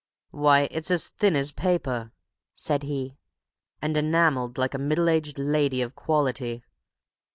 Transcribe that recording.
"Why, it's as thin as paper," said he, "and enamelled like a middle aged lady of quality!